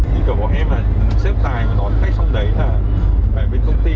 như kiểu bọn em là xếp tài và đón khách xong đấy là phải bên công ty